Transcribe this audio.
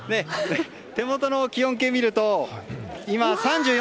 手元の気温計を見ると今、３４．６度。